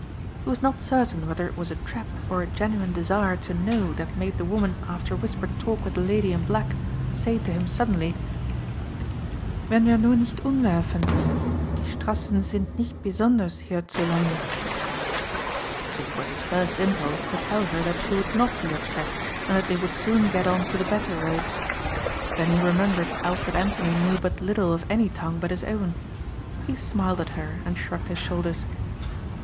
He was not certain whether it was a trap or a genuine desire to know that made the woman after a whispered talk with the lady in black say to him suddenly, "Wenn wir nur nicht unwerfen; die Strassen sind nicht besonders hier zu Lande." It was his first impulse to tell her that she would not be upset and that they would soon get on to the better roads. Then he remembered Alfred Anthony knew but little of any tongue but his own. He smiled at her and shrugged his shoulders.